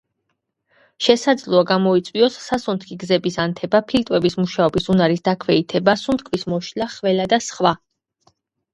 შესაძლოა გამოიწვიოს სასუნთქი გზების ანთება, ფილტვების მუშაობის უნარის დაქვეითება, სუნთქვის მოშლა, ხველა და სხვა.